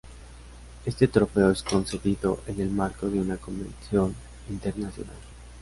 Este trofeo es concedido en el marco de una convención internacional.